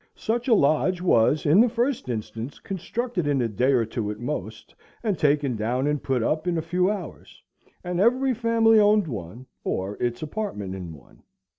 Such a lodge was in the first instance constructed in a day or two at most, and taken down and put up in a few hours; and every family owned one, or its apartment in one.